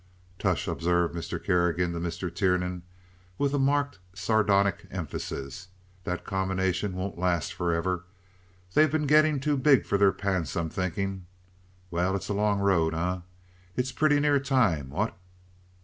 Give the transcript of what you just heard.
"Tush!" observed Mr. Kerrigan to Mr. Tiernan, with a marked sardonic emphasis, "that combination won't last forever. They've been getting too big for their pants, I'm thinking. Well, it's a long road, eh? It's pretty near time, what?"